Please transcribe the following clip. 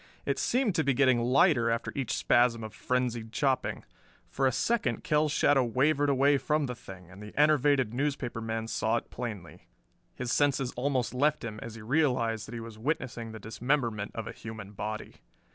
It seemed to be getting lighter after each spasm of frenzied chopping. For a second Kell's shadow wavered away from the thing, and the enervated newspaper man saw it plainly. His senses almost left him as he realized that he was witnessing the dismemberment of a human body.